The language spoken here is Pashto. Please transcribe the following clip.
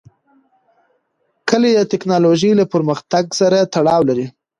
کلي د تکنالوژۍ له پرمختګ سره تړاو لري.